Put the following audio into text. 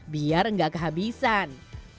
biar enggak kehabisan